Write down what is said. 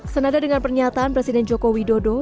senada dengan pernyataan presiden jokowi dodo